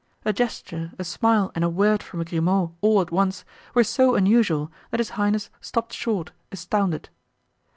A gesture, a smile and a word from Grimaud, all at once, were so unusual that his highness stopped short, astounded.